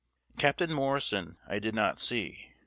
"Captain Morrison I did not see.